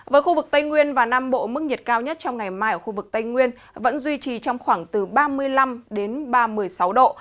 với khu vực tây nguyên và nam bộ mức nhiệt cao nhất trong ngày mai ở khu vực tây nguyên vẫn duy trì trong khoảng từ ba mươi năm ba mươi sáu độ